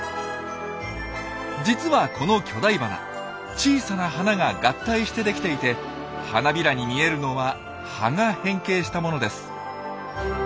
小さな花が合体してできていて花びらに見えるのは葉が変形したものです。